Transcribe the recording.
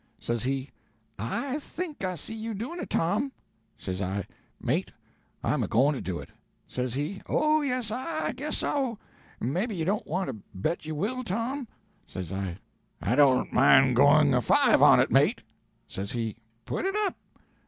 Says he 'I think I see you doing it, Tom.' Says I, 'Mate I'm a going to do it.' Says he, 'Oh, yes, I guess so. Maybe you don't want to bet you will, Tom?' Say I, 'I don't mind going a V on it, mate.' Says he 'Put it up.'